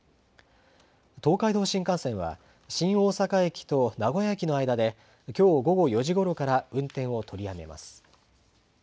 東海道新幹線は、新大阪駅と名古屋駅の間で、きょう午後４時ごろから運転を取りやめます。